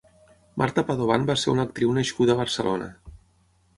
Marta Padovan va ser una actriu nascuda a Barcelona.